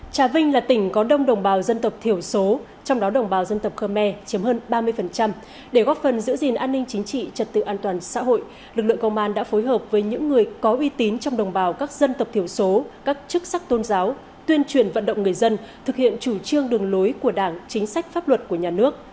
trà vinh là tỉnh có đông đồng bào dân tộc thiểu số trong đó đồng bào dân tộc khơ me chiếm hơn ba mươi để góp phần giữ gìn an ninh chính trị trật tự an toàn xã hội lực lượng công an đã phối hợp với những người có uy tín trong đồng bào các dân tộc thiểu số các chức sắc tôn giáo tuyên truyền vận động người dân thực hiện chủ trương đường lối của đảng chính sách pháp luật của nhà nước